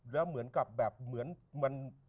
แล้วเหมือนกับแบบ